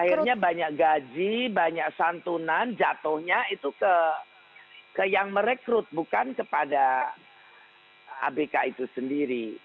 akhirnya banyak gaji banyak santunan jatuhnya itu ke yang merekrut bukan kepada abk itu sendiri